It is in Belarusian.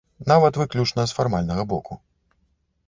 Нават выключна з фармальнага боку.